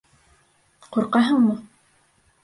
Ҡурҡаһыңмы?